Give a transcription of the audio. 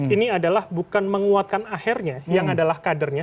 ini adalah bukan menguatkan aher nya yang adalah kadernya